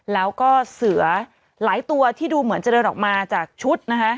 แล้วก็เสือหลายตัวที่ดูเหมือนจะเดินออกมาจากชุดนะคะ